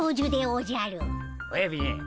おやびん